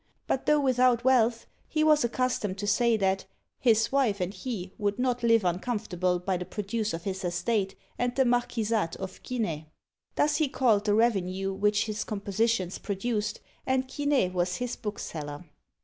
But though without wealth, he was accustomed to say that "his wife and he would not live uncomfortable by the produce of his estate and the Marquisate of Quinet." Thus he called the revenue which his compositions produced, and Quinet was his bookseller.